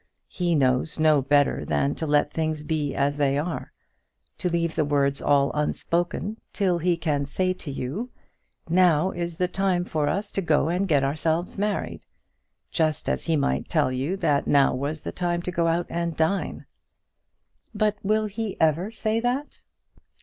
He knows no better than to let things be as they are; to leave the words all unspoken till he can say to you, 'Now is the time for us to go and get ourselves married;' just as he might tell you that now was the time to go and dine." "But will he ever say that?"